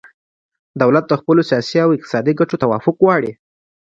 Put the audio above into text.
دولت د خپلو سیاسي او اقتصادي ګټو توافق غواړي